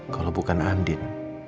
kalau bukan andin